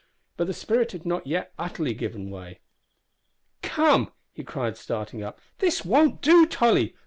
But the spirit had not yet utterly given way! "Come!" he cried, starting up. "This won't do, Tolly.